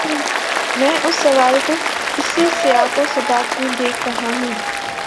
میں اس سوال کو اسی سیاق و سباق میں دیکھ رہا ہوں۔